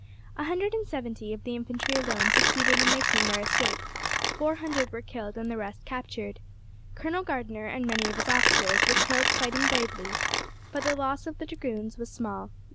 A hundred and seventy of the infantry alone succeeded in making their escape, four hundred were killed, and the rest captured. Colonel Gardiner and many of his officers were killed fighting bravely, but the loss of the dragoons was small.